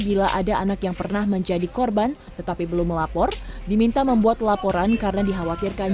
pemeriksaan terhadap korban yang lain dan juga penyelidikan dari mereka yang sudah kami ketuakan